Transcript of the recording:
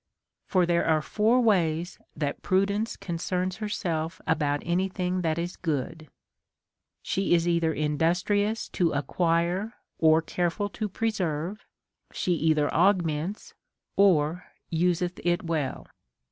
For there are four ways that prudence concerns herself about any thing that is good ; she is either industrious to acquire or careful to preserve, she either augments or useth it Avell.